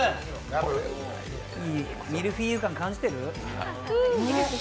ミルフィー感、感じてる？